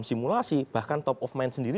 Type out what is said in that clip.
simulasi bahkan top of mind sendiri